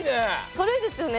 軽いですよね